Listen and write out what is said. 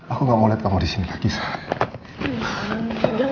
aku gak mau liat kamu disini lagi sayang